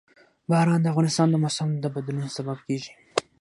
باران د افغانستان د موسم د بدلون سبب کېږي.